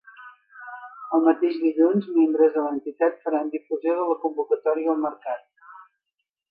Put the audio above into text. El mateix dilluns, membres de l’entitat faran difusió de la convocatòria al mercat.